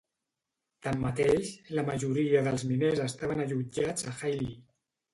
Tanmateix, la majoria de miners estaven allotjats a Highley.